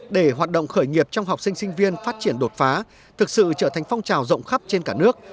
để hoạt động khởi nghiệp trong học sinh sinh viên phát triển đột phá thực sự trở thành phong trào rộng khắp trên cả nước